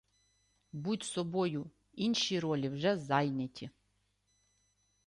Будь собою! Інші ролі вже зайняті!